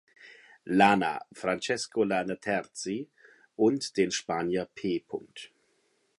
Lana“ (Francesco Lana Terzi) und den Spanier „P.